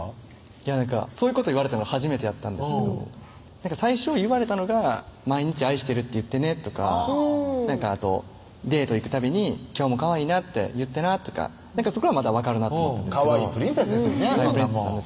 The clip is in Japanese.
いやなんかそういうこと言われたの初めてやったんですけど最初言われたのが「毎日愛してあと「デート行くたびに今日もかわいいなって言ってな」とかそこは分かるなと思ったんですがかわいいプリンセスですしね